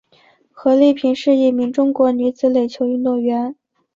何丽萍是一名中国女子垒球运动员。